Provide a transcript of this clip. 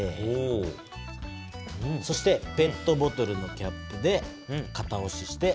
そしてペットボトルのキャップで型おしして。